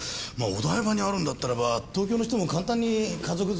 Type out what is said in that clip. お台場にあるんだったらば東京の人も簡単に家族連れ。